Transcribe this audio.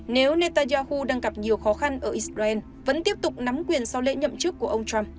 nếu netanyahu đang gặp nhiều khó khăn ở israel vẫn tiếp tục nắm quyền sau lễ nhậm chức của ông trump